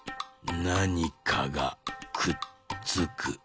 なにかがくっつく。